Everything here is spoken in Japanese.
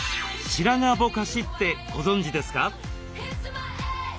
「白髪ぼかし」ってご存じですか？